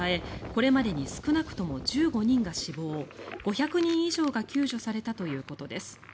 これまでに少なくとも１５人が死亡５００人以上が救助されたということです。